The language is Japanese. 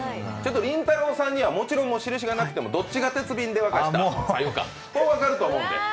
りんたろーさんには、もちろん印がなくてもどっちが鉄瓶で沸かした白湯か分かると思うんで。